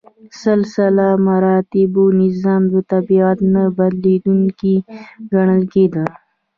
سلسله مراتبو نظام د طبیعت نه بدلیدونکی ګڼل کېده.